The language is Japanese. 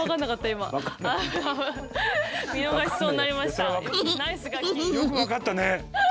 よく分かったね。